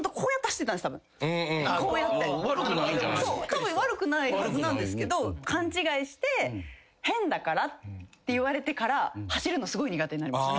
たぶん悪くないはずなんですけど勘違いして「変だから」って言われてから走るのすごい苦手になりました。